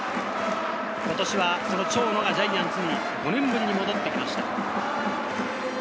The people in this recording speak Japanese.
今年はその長野がジャイアンツに戻ってきました。